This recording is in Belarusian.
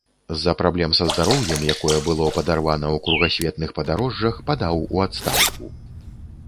З-за праблем са здароўем, якое было падарвана ў кругасветных падарожжах, падаў у адстаўку.